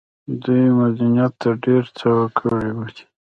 دوی مدنيت ته ډېر څه ورکړي دي.